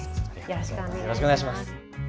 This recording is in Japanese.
よろしくお願いします。